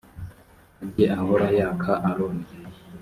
ajye ahora yaka aroni